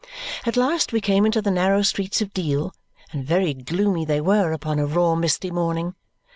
At last we came into the narrow streets of Deal, and very gloomy they were upon a raw misty morning.